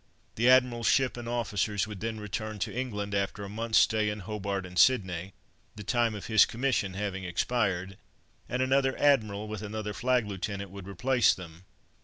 The Admiral's ship and officers would then return to England, after a month's stay in Hobart and Sydney—the time of his commission having expired—and another Admiral, with another flag lieutenant, would replace them.